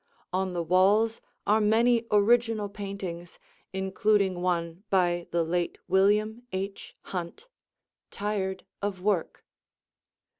On the walls are many original paintings including one by the late William H. Hunt, "Tired of Work."